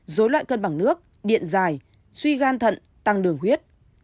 dối loạn cân bằng nước điện dài suy gan thận tăng đường huyết